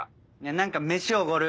何か飯おごる。